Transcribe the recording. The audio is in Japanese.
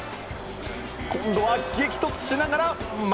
今度は、激突しながら〇！